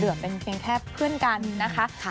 เหลือเป็นแค่เพื่อนกันนะคะ